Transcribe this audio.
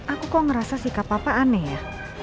aku kok ngerasa sikap papa aneh ya